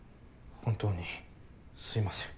本当にすみません。